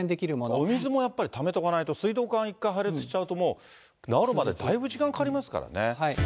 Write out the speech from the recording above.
お水もやっぱりためとかないと、やっぱり水道管、一回破裂しちゃうと、もう直るまでだいぶ時間かかりますからね。